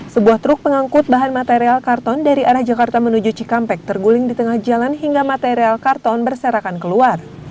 sebuah truk pengangkut bahan material karton dari arah jakarta menuju cikampek terguling di tengah jalan hingga material karton berserakan keluar